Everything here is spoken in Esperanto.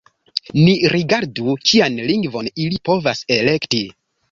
Ni rigardu, kian lingvon ili povas elekti.